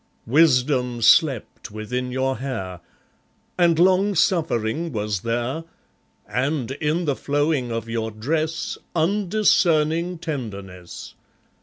Wisdom slept within your hair, And Long Suffering was there, And, in the flowing of your dress, Undiscerning Tenderness.